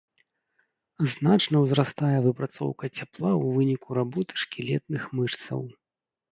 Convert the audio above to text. Значна ўзрастае выпрацоўка цяпла ў выніку работы шкілетных мышцаў.